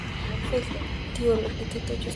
Fue tío del arquitecto Josep Lluís Sert.